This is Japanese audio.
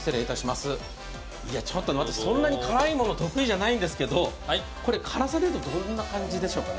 私、そんなに辛いもの得意じゃないんですけど、辛さでいくとどんな感じなんでしょうかね？